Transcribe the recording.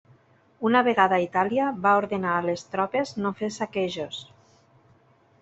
Una vegada a Itàlia va ordenar a les tropes no fer saquejos.